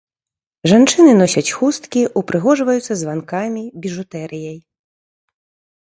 Жанчыны носяць хусткі, упрыгожваюцца званкамі, біжутэрыяй.